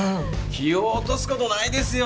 気を落とすことないですよ。